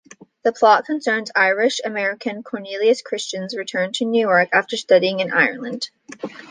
The plot concerns Irish-American Cornelius Christian's return to New York after studying in Ireland.